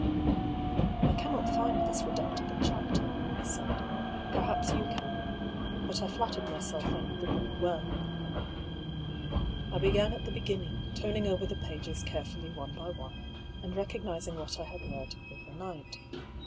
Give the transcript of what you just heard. " I cannot find this redoubtable chapter," he said ;" perhaps you can. But I flattered myself I knew the book well." I began at the beginning, turning over the pages carefully one by one, and recognising what I had read overnight.